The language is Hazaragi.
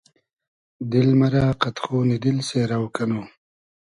دیل مئرۂ قئد خونی دیل سېرۆ کئنو